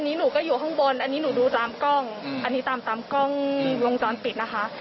อันนี้หนูก็อยู่ข้างบนอันนี้หนูดูตามกล้องอันนี้ตามตามกล้องวงจรปิดนะคะ